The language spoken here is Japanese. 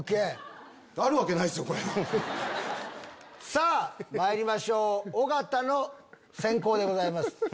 さぁまいりましょう尾形の先攻でございます。